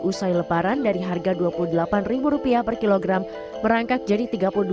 usai leparan dari harga dua puluh delapan rupiah per kilogram merangkat jadi tiga puluh dua rupiah per kilogram